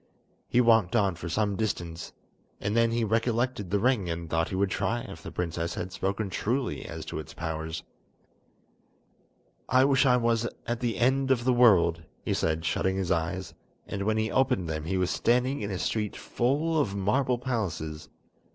He walked on for some distance, and then he recollected the ring and thought he would try if the princess had spoken truly as to its powers. "I wish I was at the end of the world," he said, shutting his eyes, and when he opened them he was standing in a street full of marble palaces.